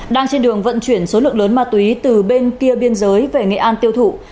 đang trên đường vận chuyển số lượng lớn ma túy từ bên kia biên giới về nghệ an tiêu thụ